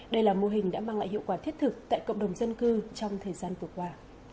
đây là mô hình đã mang lại hiệu quả thiết thực tại cộng đồng dân cư trong thời gian vừa qua